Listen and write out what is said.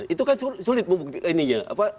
itu kan sulit membuktikan ininya